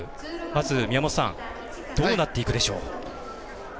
まず、宮本さんどうなっていくでしょう。